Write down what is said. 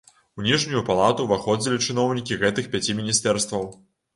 У ніжнюю палату ўваходзілі чыноўнікі гэтых пяці міністэрстваў.